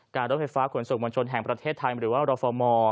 การรบไฟฟ้าขวัญส่วนส่วนบัญชนแห่งประเทศไทยหรือว่ารฟม